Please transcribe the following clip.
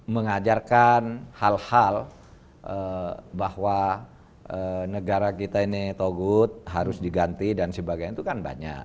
mengajarkan hal hal bahwa negara kita ini togut harus diganti dan sebagainya itu kan banyak